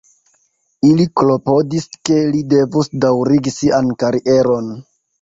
Ili klopodis ke li devus daŭrigi sian karieron.